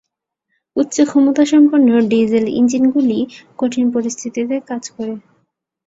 উচ্চ-ক্ষমতা সম্পন্ন ডিজেল ইঞ্জিনগুলি কঠিন পরিস্থিতিতে কাজ করে।